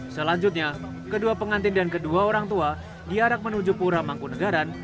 selanjutnya kedua pengantin dan kedua orang tua diarak menuju pura mangkunagaran